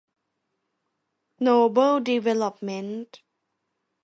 โนเบิล ดีเวลลอปเมนท์